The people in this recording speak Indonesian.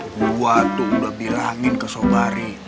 gue tuh udah bilangin ke sobari